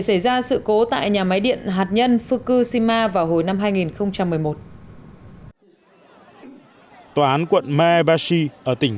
xảy ra sự cố tại nhà máy điện hạt nhân fukushima vào hồi năm hai nghìn một mươi một tòa án quận maebashi ở tỉnh